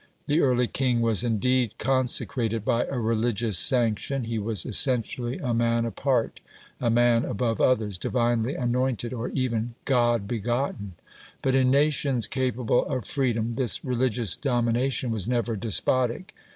The early king was indeed consecrated by a religious sanction; he was essentially a man apart, a man above others, divinely anointed or even God begotten. But in nations capable of freedom this religious domination was never despotic.